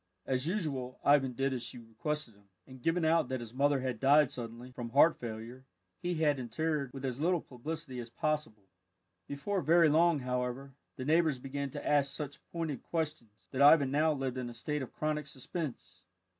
As usual, Ivan did as she requested him, and giving out that his mother had died suddenly, from heart failure, he had her interred with as little publicity as possible. Before very long, however, the neighbours began to ask such pointed questions, that Ivan now lived in a state of chronic suspense.